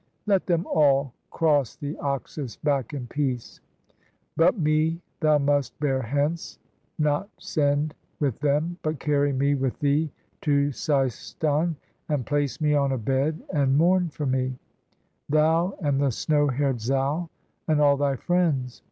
Let them all cross the Oxus back in peace. But me thou must bear hence, not send with them. But carry me with thee to Seistan, And place me on a bed, and mourn for me; Thou, and the snow hair'd Zal, and all thy friends.